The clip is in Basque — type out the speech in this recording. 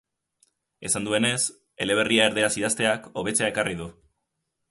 Esan duenez, eleberria erderaz idazteak, hobetzea ekarri du.